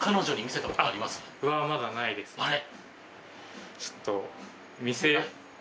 あれ。